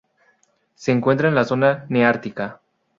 Se encuentra en la zona neártica.